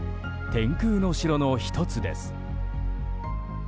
天空の城の１つです。